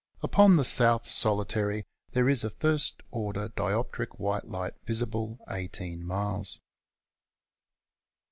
Upon the South Solitary there is a first order dioptric white light visible IS miles.